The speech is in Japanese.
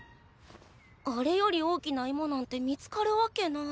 あれより大きなイモなんて見つかるわけない。